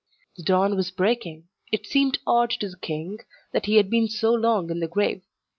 The dawn was breaking. It seemed odd to the king that he had been so long in the grave.